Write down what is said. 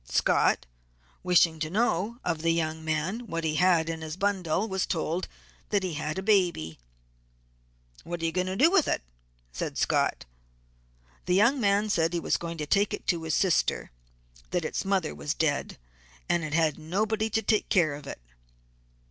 Scott, wishing to know of the young man what he had in his bundle, was told that he had a baby. 'What are you going to do with it?' said Scott. The young man said that he was going to take it to his sister; that its mother was dead, and it had nobody to take care of it.